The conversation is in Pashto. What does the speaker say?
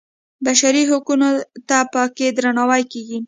بشري حقونو ته په کې درناوی کېږي.